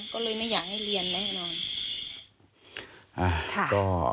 ก็เลยไม่อยากให้เรียนแน่นอน